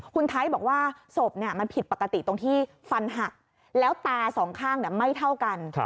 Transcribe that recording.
คุณไทยบอกว่าศพมันผิดปกติตรงที่ฟันหักแล้วตาสองข้างไม่เท่ากัน